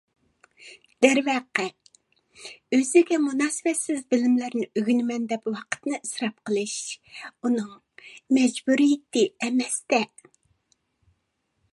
دەرۋەقە، ئۆزىگە مۇناسىۋەتسىز بىلىملەرنى ئۆگىنىمەن، دەپ ۋاقتىنى ئىسراپ قىلىش ئۇنىڭ مەجبۇرىيىتى ئەمەستە.